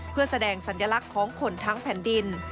เพื่อแสดงสัญลักษณ์ของคนทั้งแผ่นดิน